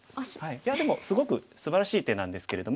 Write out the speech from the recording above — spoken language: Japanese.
いやでもすごくすばらしい手なんですけれども。